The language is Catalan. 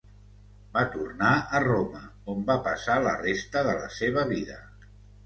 Va tornar a Roma, on va passar la resta de la seva vida.